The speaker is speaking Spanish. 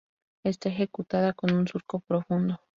Está ejecutada con un surco profundo.